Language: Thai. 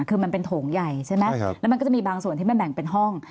คือมันเป็นโถงใหญ่ใช่ไหมแล้วมันก็จะมีบางส่วนที่มันแบ่งเป็นห้อง